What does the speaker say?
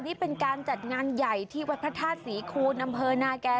นี่เป็นการจัดงานใหญ่ที่วัดพระธาตุศรีคูณอำเภอนาแก่